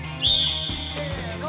せの！